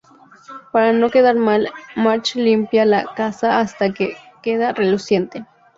Para no quedar mal, Marge limpia la casa hasta que queda reluciente.